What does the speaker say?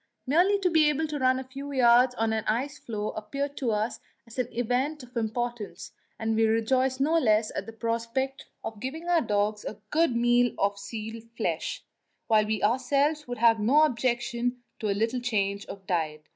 Merely to be able to run a few yards on an ice floe appeared to us an event of importance, and we rejoiced no less at the prospect of giving our dogs a good meal of seal's flesh, while we ourselves would have no objection to a little change of diet.